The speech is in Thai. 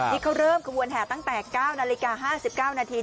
ที่เขาเริ่มขบวนแห่ตั้งแต่๙นาฬิกา๕๙นาที